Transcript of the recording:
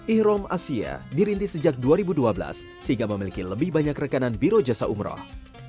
ihrom asia dirintis sejak dua ribu dua belas sehingga memiliki lebih banyak rekanan biro jasa umroh